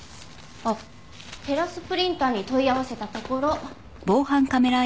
あっテラスプリンターに問い合わせたところ。